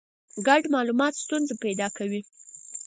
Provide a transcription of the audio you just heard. ګډ مالومات ستونزه پیدا کوي.